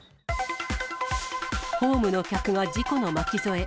ホームの客が事故の巻き添え。